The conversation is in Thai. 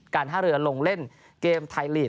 ท่าเรือลงเล่นเกมไทยลีก